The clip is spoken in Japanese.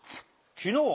昨日？